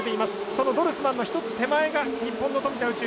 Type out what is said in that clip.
そのドルスマンの１つ手前が日本の富田宇宙。